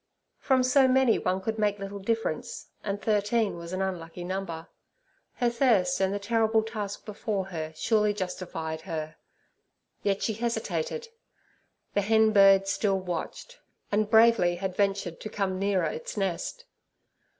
From so many, one could make little difference, and thirteen was an unlucky number. Her thirst and the terrible task before her surely justified her—yet she hesitated. The hen bird still watched, and bravely had ventured to come nearer its nest.